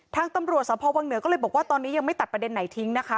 ทางตำรวจสภวังเหนือก็เลยบอกว่าตอนนี้ยังไม่ตัดประเด็นไหนทิ้งนะคะ